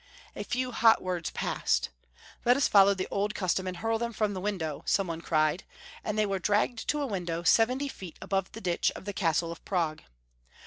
A few hot words passed. " Let us follow the old custom, and hiu*l them from the window," some one cried; and they were dragged to a window seventy feet above the ditch of the Castle of Prague.